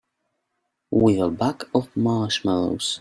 With a bag of marshmallows.